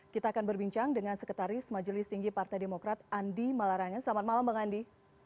kita akan berbincang dengan sekretaris majelis tinggi partai demokrat andi malarangen selamat malam bang andi